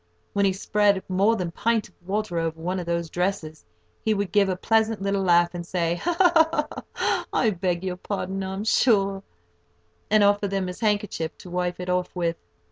When he spread more than pint of water over one of those dresses, he would give a pleasant little laugh, and say: "I beg your pardon, I'm sure;" and offer them his handkerchief to wipe it off with.